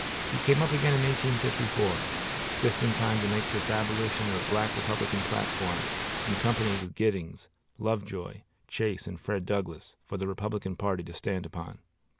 He came up again in 1854, just in time to make this Abolition or Black Republican platform, in company with Giddings, Lovejoy, Chase, and Fred Douglass, for the Republican party to stand upon.